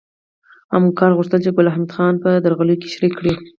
همکار غوښتل چې ګل حمید خان په درغلیو کې شریک کړي